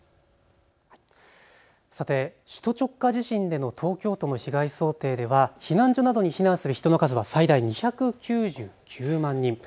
さて、首都直下地震での東京都の被害想定では避難所などに避難する人の数は最大２９９万人。